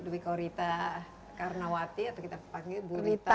bu rita karnawati atau kita panggil bu rita